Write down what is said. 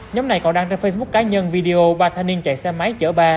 nhóm này còn đăng trên facebook cá nhân video ba thanh niên chạy xe máy chở ba